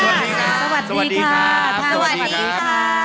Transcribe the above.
สวัสดีค่ะ